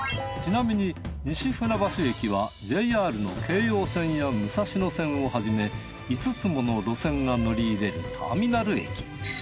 ちなみに西船橋駅はＪＲの京葉線や武蔵野線をはじめ５つもの路線が乗り入れるターミナル駅。